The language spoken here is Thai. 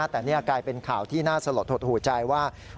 แต่นี่กลายเป็นข่าวที่น่าสลดหดหูใจว่า